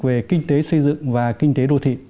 về kinh tế xây dựng và kinh tế đô thị